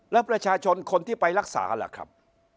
แล้วประชาชนคนที่ไปรักษาล่ะครับ